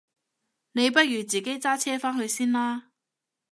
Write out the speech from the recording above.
你不如自己揸車返去先啦？